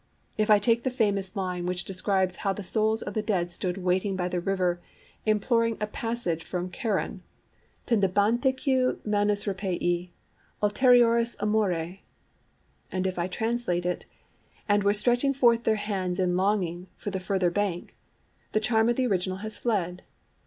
If I take the famous line which describes how the souls of the dead stood waiting by the river, imploring a passage from Charon: Tendebantque manus ripae ulterioris amore, and if I translate it, 'and were stretching forth their hands in longing for the further bank,' the charm of the original has fled.